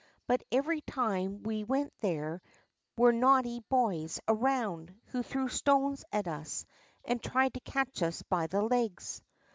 But every time we went there^ were naughty boys around, Avho threw stones at ns and tried to catch iis by the legs.